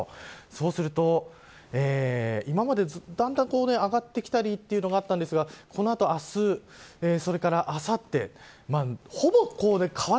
そうするとだんだん上がってきたりというのがあったんですがこの後、あすそれからあさってずっとオレンジというか